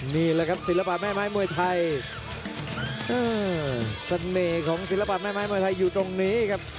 นี่แหละครับศิลปะแม่ไม้มวยไทยเออเสน่ห์ของศิลปะแม่ไม้มวยไทยอยู่ตรงนี้ครับ